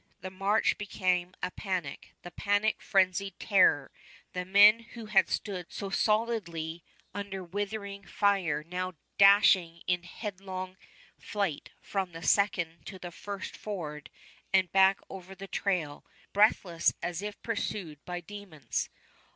The march became a panic, the panic frenzied terror, the men who had stood so stolidly under withering fire now dashing in headlong flight from the second to the first ford and back over the trail, breathless as if pursued by demons!